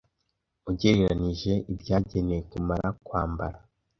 Ugereranije ibyagenewe kumara kwambara